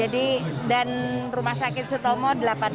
dan rumah sakit sutomo delapan puluh